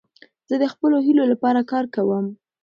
زه د خپلو هیلو له پاره کار کوم.